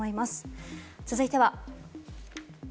続いては。